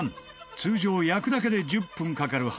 通常焼くだけで１０分かかるハンバーグ